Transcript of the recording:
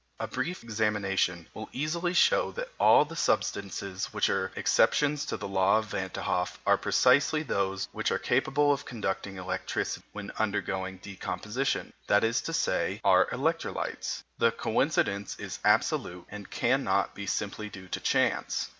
A brief examination will easily show that all the substances which are exceptions to the laws of Van t'Hoff are precisely those which are capable of conducting electricity when undergoing decomposition that is to say, are electrolytes. The coincidence is absolute, and cannot be simply due to chance.